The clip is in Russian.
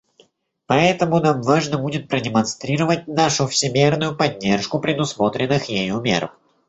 Поэтому нам важно будет продемонстрировать нашу всемерную поддержку предусмотренных ею мер.